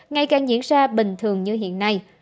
ngày càng diễn ra bình thường như hiện nay